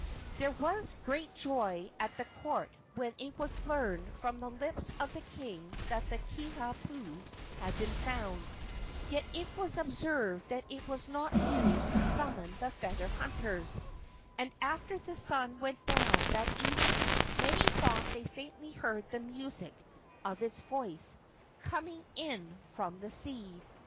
There was great joy at the court when it was learned from the lips of the king that the Kiha pu had been found; yet it was observed that it was not used to summon the feather hunters, and after the sun went down that evening many thought they faintly heard the music of its voice coming in from the sea.